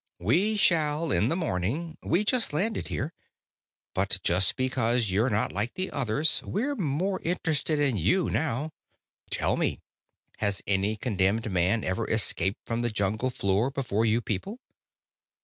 "We shall, in the morning. We just landed here. But, just because you're not like the others, we're more interested in you now. Tell me, has any condemned man ever escaped from the jungle floor before you people?"